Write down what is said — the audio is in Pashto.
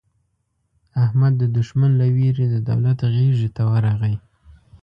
احمد د دوښمن له وېرې د دولت غېږې ته ورغی.